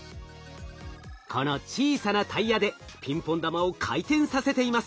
この小さなタイヤでピンポン玉を回転させています。